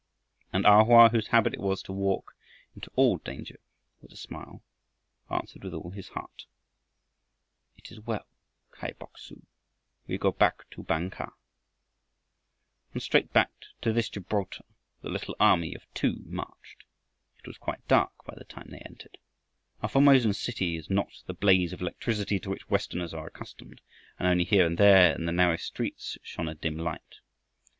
And A Hoa, whose habit it was to walk into all danger with a smile, answered with all his heart: "It is well, Kai Bok su; we go back to Bang kah." And straight back to this Gibraltar the little army of two marched. It was quite dark by the time they entered. A Formosan city is not the blaze of electricity to which Westerners are accustomed, and only here and there in the narrow streets shone a dim light.